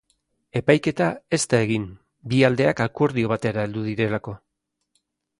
Epaiketa ez da egin, bi aldeak akordio batera heldu direlako.